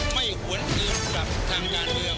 ไม่หวนอื่นกับทางด้านเดียว